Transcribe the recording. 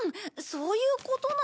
そういうことなら。